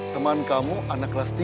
teman kamu anak kelas tiga